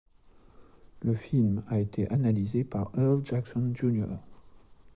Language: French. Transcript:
Le film a été analysé par Earl Jackson, Jr.